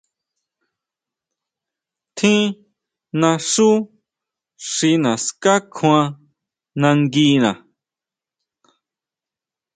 Tjín naxú xi naská kjuan nanguina.